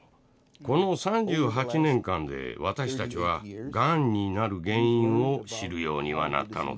この３８年間で私たちはがんになる原因を知るようにはなったのです。